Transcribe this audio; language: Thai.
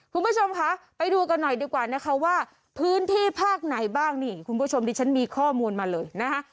คุณผู้ชมคะไปดูกันหน่อยดีกว่านะคะว่าพื้นที่ภาคไหนบ้างนี่คุณผู้ชมดิฉันมีข้อมูลมาเลยนะคะ